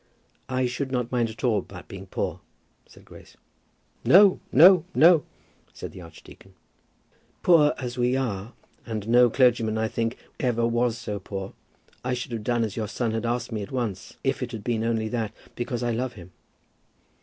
"I should not mind at all about being poor," said Grace. "No; no; no," said the archdeacon. "Poor as we are, and no clergyman, I think, ever was so poor, I should have done as your son asked me at once, if it had been only that, because I love him."